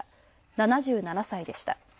７７歳でした。